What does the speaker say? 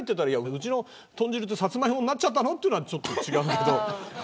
うちの豚汁ってサツマイモになっちゃったのっていうのはちょっと違うけど。